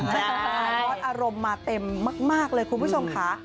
อะไรของเงินร้อนอารมณ์มาเต็มมากคุณผู้ชมค่ะ